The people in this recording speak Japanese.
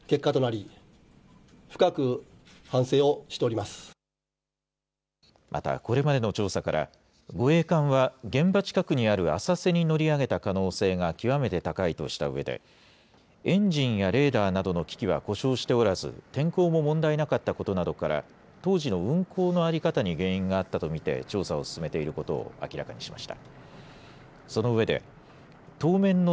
また、これまでの調査から、護衛艦は現場近くにある浅瀬に乗り上げた可能性が極めて高いとしたうえで、エンジンやレーダーなどの機器は故障しておらず、天候も問題なかったことなどから、当時の運航の在り方に原因があったと見て調査を進めていることを明らかにしました。